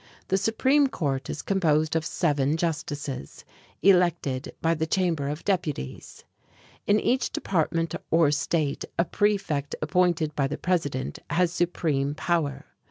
The supreme court is composed of seven justices, elected by the Chamber of Deputies. In each department or State a prefect appointed by the president has supreme power.